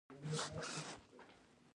خوږوالی او تریووالی یې معلوموي.